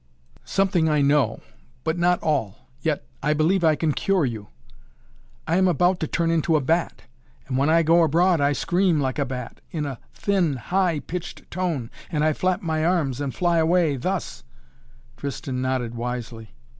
"Something I know but not all! Yet, I believe I can cure you " "I am about to turn into a bat! And when I go abroad I scream like a bat in a thin, high pitched tone. And I flap my arms and fly away thus " Tristan nodded wisely.